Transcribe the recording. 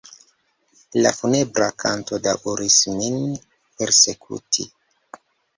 La funebra kanto daŭris min persekuti.